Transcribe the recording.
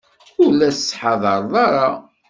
Ur la tettḥadareḍ ara.